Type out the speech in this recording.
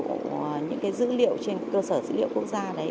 của những cái dữ liệu trên cơ sở dữ liệu quốc gia đấy